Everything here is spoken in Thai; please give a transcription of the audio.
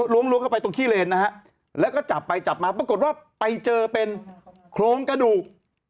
ล้วงเข้าไปตรงขี้เลนนะฮะแล้วก็จับไปจับมาปรากฏว่าไปเจอเป็นโครงกระดูก